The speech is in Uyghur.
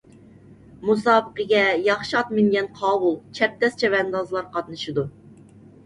مۇسابىقىگە ياخشى ئات مىنگەن قاۋۇل، چەبدەس چەۋەندازلار قاتنىشىدۇ.